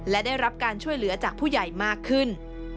และได้รับการช่วยเหลือจากผู้ใหญ่มากขึ้น